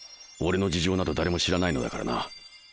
俺の事情など誰も知らないのだからな。